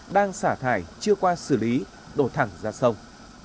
đang xả thải chưa qua xử lý đổ thẳng ra sông